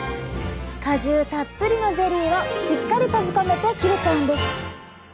果汁たっぷりのゼリーをしっかり閉じ込めて切れちゃうんです。